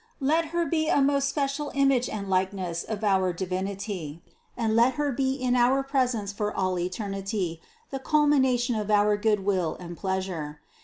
Let Her be a most special image and likeness of our Divinity and let Her be in our presence for all eternity the culmination of our good will and pleasure.